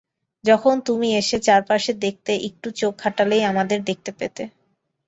যখন তুমি এসে চারপাশে দেখতে একটু চোখ হাঁটালেই আমাদের দেখতে পেতে।